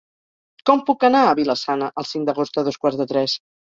Com puc anar a Vila-sana el cinc d'agost a dos quarts de tres?